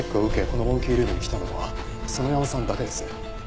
このモンキールームに来たのは園山さんだけです。